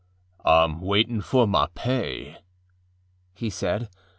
âIâm waiting for my pay,â he said.